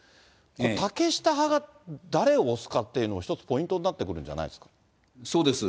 竹下派が誰を推すかっていうの、一つポイントになってくるんじゃそうです。